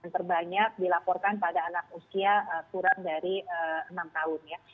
terbanyak dilaporkan pada anak usia kurang dari enam tahun ya